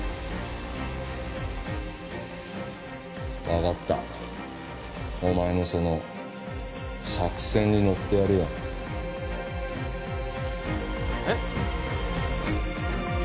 分かったお前のその「作戦」に乗ってやるよえっ！？